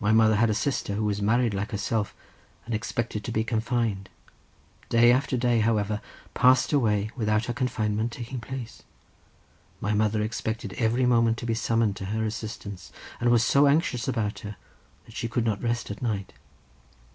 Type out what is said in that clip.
My mother had a sister who was married like herself, and expected to be confined. Day after day, however, passed away, without her confinement taking place. My mother expected every moment to be summoned to her assistance, and was so anxious about her that she could not rest at night.